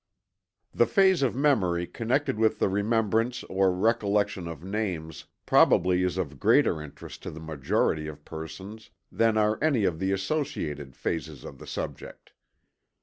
The phase of memory connected with the remembrance or recollection of names probably is of greater interest to the majority of persons than are any of the associated phases of the subject.